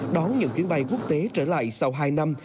đón nhận chuyến bay quốc tế trở lại sau hai năm